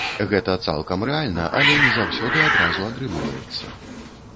Гэта цалкам рэальна, але не заўсёды адразу атрымліваецца.